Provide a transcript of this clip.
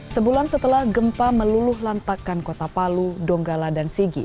sebulan setelah gempa meluluh lantakan kota palu donggala dan sigi